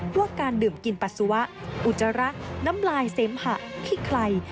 ว่าการดื่มกินปัสสาวะอุจจาระน้ำลายเสมหะขี้ไคร